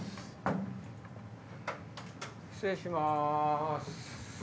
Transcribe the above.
失礼します。